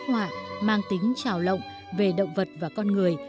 những bức họa mang tính trào lộng về động vật và con người